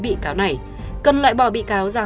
bị cáo này cần loại bỏ bị cáo ra